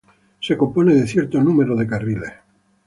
Se compone de un cierto número de carriles.